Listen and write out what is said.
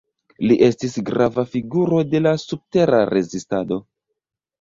Li estis grava figuro de la subtera rezistado.